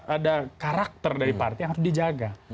ada karakter dari partai yang harus dijaga